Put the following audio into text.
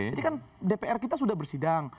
jadi kan dpr kita sudah bersidang